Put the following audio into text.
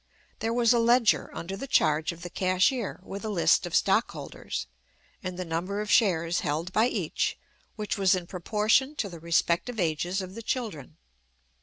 There was a ledger under the charge of the cashier, with a list of stockholders, and the number of shares held by each, which was in proportion to the respective ages of the children.